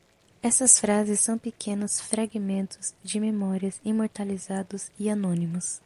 Essas frases são pequenos fragmentos de memória, imortalizados, e anônimos.